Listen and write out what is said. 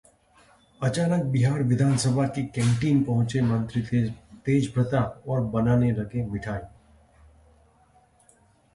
अचानक बिहार विधानसभा की कैंटीन पहुंचे मंत्री तेज प्रताप और बनाने लगे मिठाई